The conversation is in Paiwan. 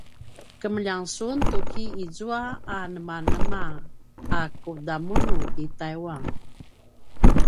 kemeljang sun tuki izua anemanema a kudamunu i taiwan?